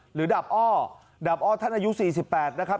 ดาบอ้อดาบอ้อท่านอายุ๔๘นะครับ